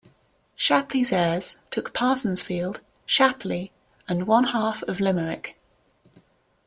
Shapleigh's heirs took Parsonsfield, Shapleigh and one half of Limerick.